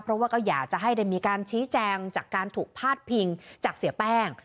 เพราะว่าก็อยากจะให้ได้มีการชี้แจงจากการถูกพาดพิงจากเสียแป้ง